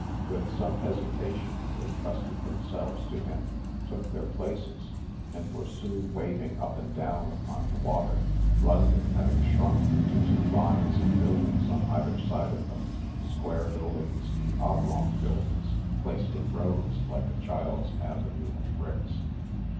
With some hesitation they trusted themselves to him, took their places, and were soon waving up and down upon the water, London having shrunk to two lines of buildings on either side of them, square buildings and oblong buildings placed in rows like a child's avenue of bricks.